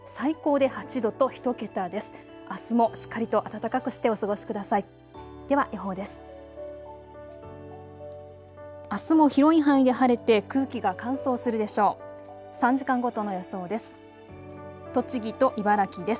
では予報です。